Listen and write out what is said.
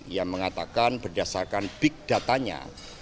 ia mengatakan berdasarkan big datanya